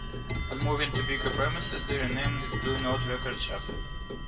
On moving to bigger premises they renamed it Blue Note Record Shop.